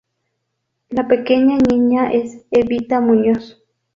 La pequeña niña es Evita Muñoz.